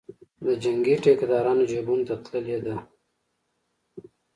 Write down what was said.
د جنګي ټیکدارانو جیبونو ته تللې ده.